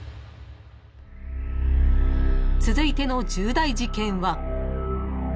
［続いての重大事件は］